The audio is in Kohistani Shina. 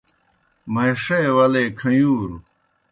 مہِݜے ولے کھیُوݩروْ